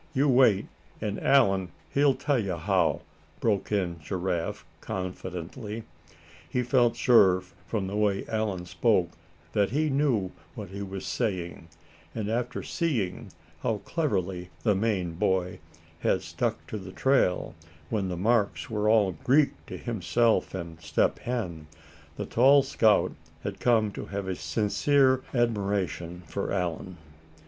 "You wait, and Allan, he'll tell you how," broke in Giraffe, confidently. He felt sure from the way Allan spoke that he knew what he was saying; and after seeing how cleverly the Maine boy had stuck to the trail, when the marks were all Greek to himself and Step Hen, the tall scout had come to have a sincere admiration for Allan.